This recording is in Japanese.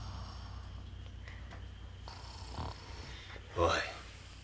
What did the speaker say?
おい。